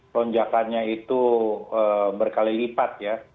lonjakannya itu berkali lipat ya